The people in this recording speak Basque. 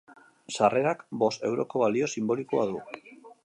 Sarrerak bost euroko balio sinbolikoa du.